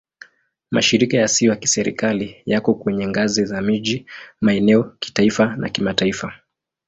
Mashirika yasiyo ya Kiserikali yako kwenye ngazi ya miji, maeneo, kitaifa na kimataifa.